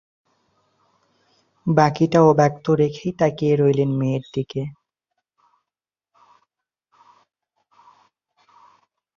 ' বাকিটা অব্যক্ত রেখেই তাকিয়ে রইলেন মেয়ের দিকে।